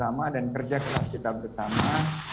anda juga enak banget berkata